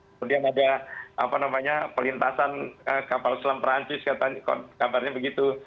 kemudian ada apa namanya pelintasan kapal selam prancis kabarnya begitu